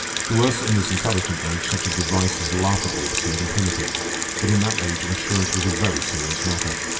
To us, in this intelligent age, such a device is laughably absurd and primitive. But in that age insurance was a very serious matter.